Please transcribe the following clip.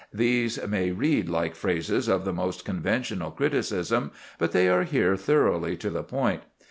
These may read like phrases of the most conventional criticism, but they are here thoroughly to the point.